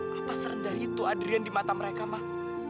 apa serendah itu adrian di mata mereka mak